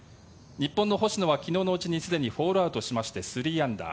日本の星野は昨日のうちにすでにホールアウトしまして３アンダー。